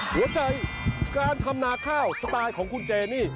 หัวใจการทำนาข้าวสไตล์ของคุณเจนี่